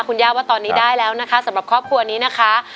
คุณย่าว่าตอนนี้ได้แล้วนะคะสำหรับครอบครัวนี้นะคะ